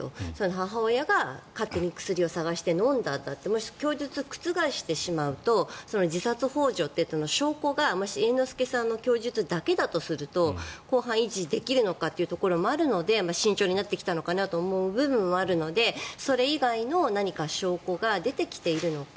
母親が勝手に薬を探して飲んだんだともし、供述を覆してしまうと自殺ほう助という証拠がもし、猿之助さんの供述だけだとすると公判を維持できるのかというところもあるので慎重になってきたのかなと思う部分もあるのでそれ以外の何か証拠が出てきているのか。